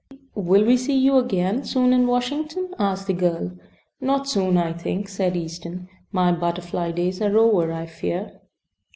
"Will we see you again soon in Washington?" asked the girl. "Not soon, I think," said Easton. "My butterfly days are over, I fear."